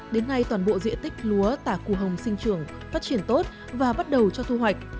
đến nay toàn bộ diện tích lúa tả cù hồng sinh trưởng phát triển tốt và bắt đầu cho thu hoạch